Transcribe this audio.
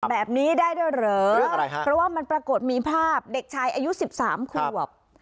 แบบนี้ได้ด้วยหรอเรื่องอะไรฮะเพราะว่ามันปรากฏมีภาพเด็กชายอายุสิบสามครับ